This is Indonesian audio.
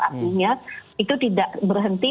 artinya itu tidak berhenti